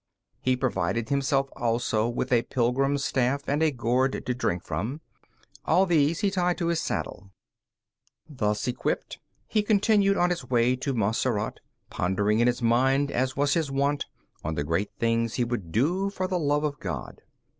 He provided himself also with a pilgrim's staff and a gourd to drink from. All these he tied to his saddle. Thus equipped, he continued on his way to Montserrat, pondering in his mind, as was his wont, on the great things he would do for the love of God.